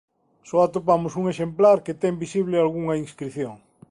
Só atopamos un exemplar que ten visible algunha inscrición.